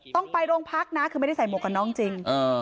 ต้องไปโรงพักนะคือไม่ได้ใส่หมวกกับน้องจริง